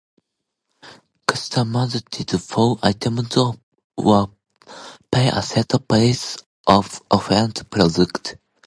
Customers bid for items or pay a set price for offered products.